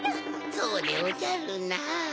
そうでおじゃるな。